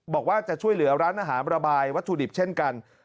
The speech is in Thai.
บอกว่าจะช่วยเหลือร้านอาหารระบายวัตถุดิบเช่นกัน